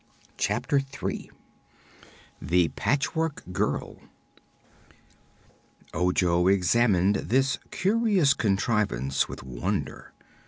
Chapter Three The Patchwork Girl Ojo examined this curious contrivance with wonder.